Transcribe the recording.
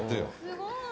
すごい！